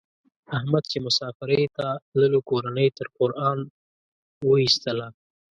احمد چې مسافرۍ ته تللو کورنۍ یې تر قران و ایستلا.